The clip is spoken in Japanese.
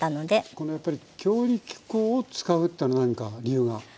このやっぱり強力粉を使うというのは何か理由があるんですか？